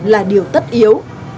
là điều tất yếu